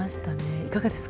いかがですか？